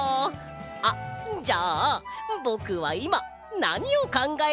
あっじゃあぼくはいまなにをかんがえてるでしょうか！？